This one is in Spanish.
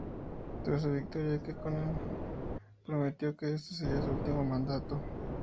Tras su victoria, Kekkonen prometió que este sería su último mandato.